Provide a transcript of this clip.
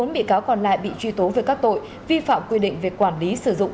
một mươi bị cáo còn lại bị truy tố về các tội vi phạm quy định về quản lý sử dụng